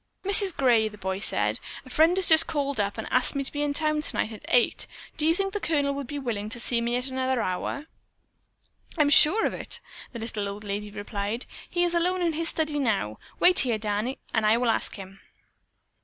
"Mrs. Gray," the boy said, "a friend has just called up and asked me to be in town tonight at eight. Do you think the Colonel would be willing to see me at another hour?" "I'm sure of it," the little old lady replied. "He is alone in his study now. Wait here. Danny, and I will ask him."